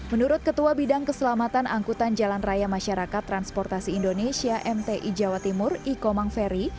menurut ketua bidang keselamatan angkutan jalan raya masyarakat transportasi indonesia mti jawa timur iko mangferi